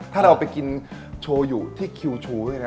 ถ้าเราไปกินโชยุที่คิวชู